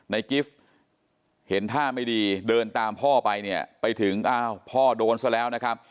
กิฟต์เห็นท่าไม่ดีเดินตามพ่อไปเนี่ยไปถึงอ้าวพ่อโดนซะแล้วนะครับ